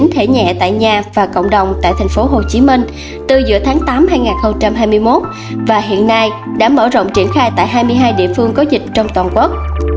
thể nhẹ tại nhà và cộng đồng tại thành phố hồ chí minh từ giữa tháng tám hai nghìn hai mươi một và hiện nay đã mở rộng triển khai tại hai mươi hai địa phương có dịch trong toàn quốc